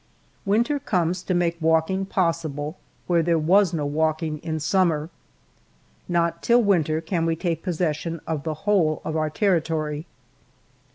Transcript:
Winter comes to make walking possible where there was no walking in summer. Not till win ter can we take possession of the whole of our territory.